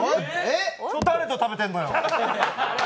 これ、誰と食べてんのよ！